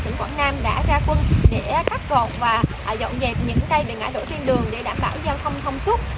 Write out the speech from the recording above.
tỉnh quảng nam đã ra quân để cắt gọt và dọn dẹp những cây bị ngã đổ trên đường để đảm bảo giao thông thông suốt